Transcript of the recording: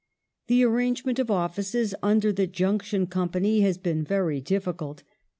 " The arrangement of offices under the Junction company has been very difficult."